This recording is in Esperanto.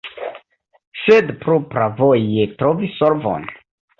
Sed propravoje trovi solvon?